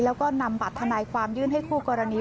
แล้วก็นำบัตรทนายความยื่นให้คู่กรณี